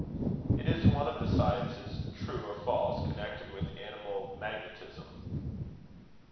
"It is one of the sciences, true or false, connected with animal magnetism."